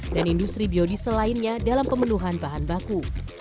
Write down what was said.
dan industri biodiesel lainnya dalam pemenuhan bahan baku